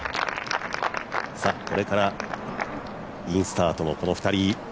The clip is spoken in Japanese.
これからインスタートの、この２人。